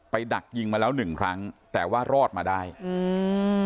ดักยิงมาแล้วหนึ่งครั้งแต่ว่ารอดมาได้อืม